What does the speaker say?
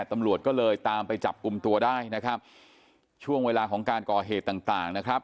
ตำรวจก็เลยตามไปจับกลุ่มตัวได้นะครับช่วงเวลาของการก่อเหตุต่างต่างนะครับ